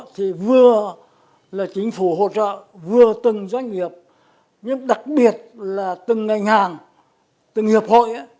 thì vừa là chính phủ hỗ trợ vừa từng doanh nghiệp nhưng đặc biệt là từng ngành hàng từng hiệp hội